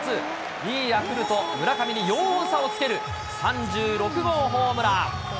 ２位ヤクルト、村上に４本差をつける３６号ホームラン。